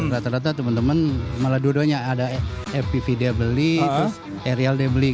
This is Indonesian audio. rata rata temen temen malah dua duanya ada fpv dia beli terus aerial dia beli